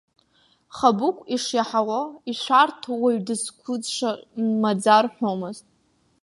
Хабыгә ишиаҳауа, ишәарҭоу, уаҩ дызқәыӡша маӡа рҳәомызт.